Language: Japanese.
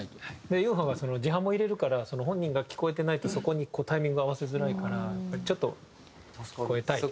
で悠歩が字ハモ入れるから本人が聞こえてないとそこにタイミング合わせづらいからちょっと聞こえたい。